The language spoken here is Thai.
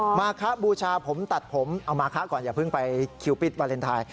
มาคะบูชาผมตัดผมเอามาคะก่อนอย่าเพิ่งไปคิวปิดวาเลนไทย